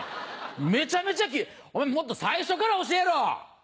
めちゃめちゃお前もっと最初から教えろ！